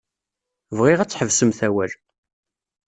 Bɣiɣ ad tḥebsemt awal.